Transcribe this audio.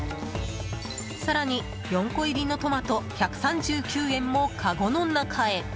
更に４個入りのトマト１３９円もかごの中へ。